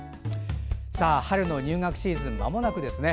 春の入学シーズンまもなくですね。